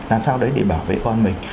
làm sao đấy để bảo vệ con mình